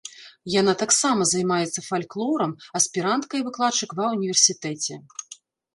Яна таксама займаецца фальклорам, аспірантка і выкладчык ва ўніверсітэце.